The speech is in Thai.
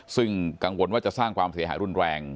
ซึ่งกังวลว่าจะสร้างความเสียหายรุนแรง